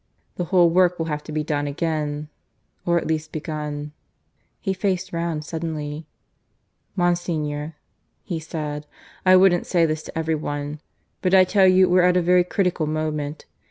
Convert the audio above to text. The whole work will have to be done again, or at least begun " He faced round suddenly. "Monsignor," he said, "I wouldn't say this to everyone. But I tell you we're at a very critical moment.